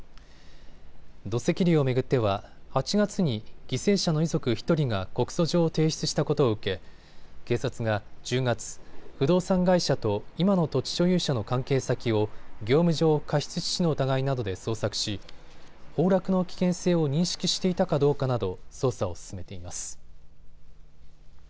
土石流を巡っては８月に犠牲者の遺族１人が告訴状を提出したことを受け警察が１０月、不動産会社と今の土地所有者の関係先を業務上過失致死の疑いなどで捜索し崩落の危険性を認識していたかどうかなど捜査を進めています。